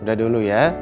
udah dulu ya